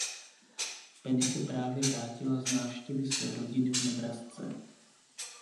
Penny se právě vrátila z návštěvy své rodiny v Nebrasce.